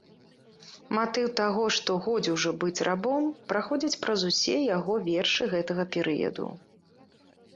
Матыў таго, што годзе ўжо быць рабом, праходзіць праз усе яго вершы гэтага перыяду.